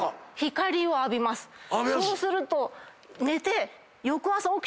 そうすると寝て。